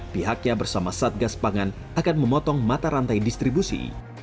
pihaknya bersama satgas pangan akan memotong mata rantai distribusi